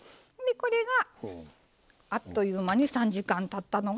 これが、あっというまに３時間たったのが。